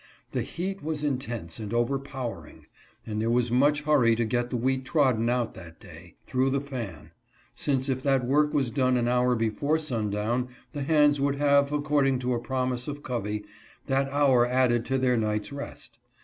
The heat was intense and overpowering, and there was much hurry to get the wheat trodden out that day, through the fan ; since if that work was done an hour before sundown, the hands would have, according to a promise of Covey, that hour added to their night's rest.